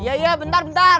iya iya bentar bentar